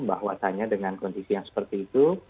bahwasannya dengan kondisi yang seperti itu